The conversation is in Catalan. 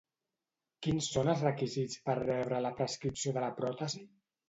Quins són els requisits per rebre la prescripció de la pròtesi?